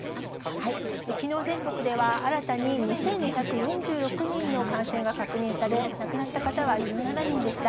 きのう、全国では新たに２２４６人の感染が確認され、亡くなった方は１７人でした。